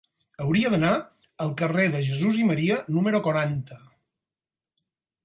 Hauria d'anar al carrer de Jesús i Maria número quaranta.